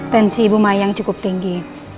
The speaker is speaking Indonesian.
tensi ibu mayang cukup tinggi